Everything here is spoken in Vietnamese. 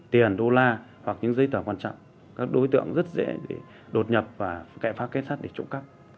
tiền đô la hoặc những giấy tờ quan trọng các đối tượng rất dễ bị đột nhập và cậy phá kết sát để trộm cắp